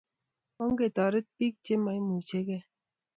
Ongetaret pik che maimuche kee